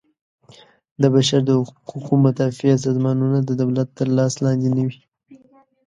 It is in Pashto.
د بشر د حقوقو مدافع سازمانونه د دولت تر لاس لاندې نه وي.